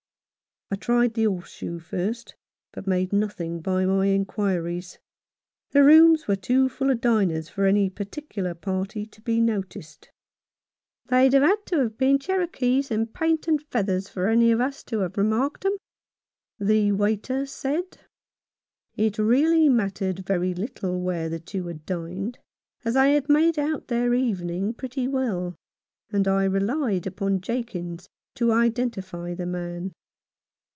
I tried the Horse Shoe first, but made nothing by my inquiries. The rooms were too full of diners for any particular party to be noticed. " They'd have had to be Cherokees in paint and 130 John Faunces' Experiences. No. 29. feathers for any of us to have remarked 'em," the waiter said. It really mattered very little where the two had dined, as I had made out their evening pretty well, and I relied upon Jakins to identify the man.